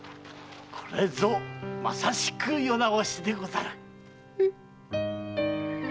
これぞまさしく世直しでござる。